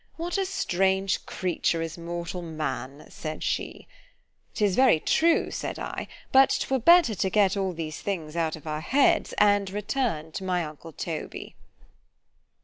What a strange creature is mortal man! said she. 'Tis very true, said I——but 'twere better to get all these things out of our heads, and return to my uncle _Toby.